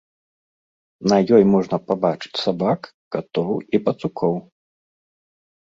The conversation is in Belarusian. На ёй можна пабачыць сабак, катоў і пацукоў.